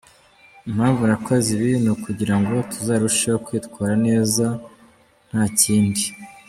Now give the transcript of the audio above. Impamvu nakoze ibi ni ukugira ngo tuzarusheho kwitwara neza nta kindi.